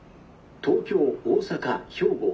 東京大阪兵庫